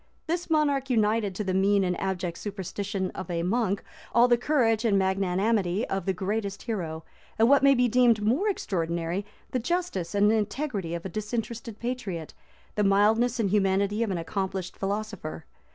This monarch united to the mean and abject superstition of a monk all the courage and magnanimity of the greatest hero; and, what may be deemed more extraordinary, the justice and integrity of a disinterested patriot, the mildness and humanity of an accomplished philosopher.